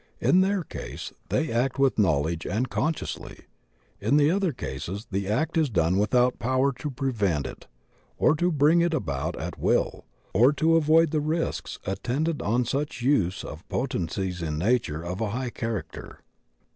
In their case they act with knowledge and consciously; in the other cases the act is done without power to prevent it, or to bring it about at will, or to avoid the risks attendant on such use of potencies in nature of a high character.